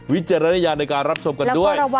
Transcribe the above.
วิจารณญาณในการรับชมกันด้วย